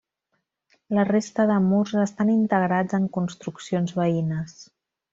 La resta de murs estan integrats en construccions veïnes.